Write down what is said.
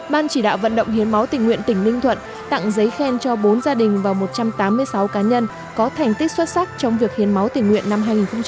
ban chỉ đạo vận động hiến máu tỉnh nguyện tỉnh ninh thuận tặng giấy khen cho bốn gia đình và một trăm tám mươi sáu cá nhân có thành tích xuất sắc trong việc hiến máu tỉnh nguyện năm hai nghìn một mươi tám